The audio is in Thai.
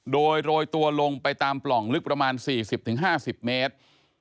โดยโรยตัวลงไปตามปล่องลึกประมาณ๔๐๕๐เมตร